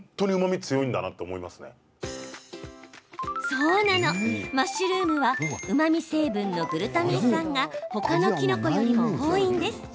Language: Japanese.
そう、マッシュルームはうまみ成分のグルタミン酸が他のキノコよりも多いんです。